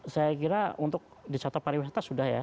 saya kira untuk di sektor pariwisata sudah ya